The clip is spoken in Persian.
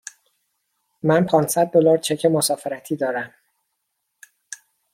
من پانصد دلار چک مسافرتی دارم.